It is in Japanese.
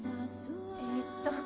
えっと。